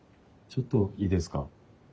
ちょっといいですか？